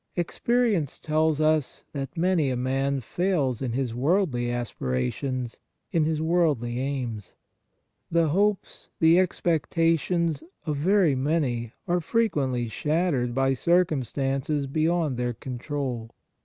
Experience tells us that many a man fails in his worldly aspirations, in his w 7 orldly aims. The hopes, the expectations of very many 2 PRAYER are frequently shattered by circumstances beyond their control.